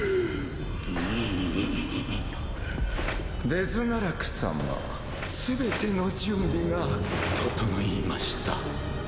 デズナラク様全ての準備が整いました。